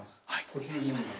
お願いします。